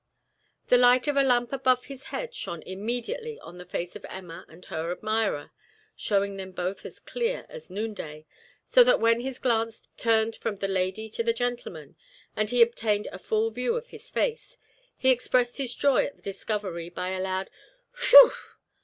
The light from a lamp above his head shone immediately on the face of Emma and her admirer, showing them both as clear as noonday, so that when his glance turned from the lady to the gentleman, and he obtained a full view of his face, he expressed his joy at the discovery by a loud "Whew!"